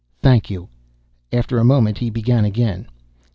"Thank you." After a moment, he began again.